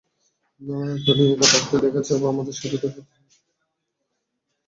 Tony এখন একা থাকতে চায়, ও আমাদের সাথে দেখা করতে চায় না।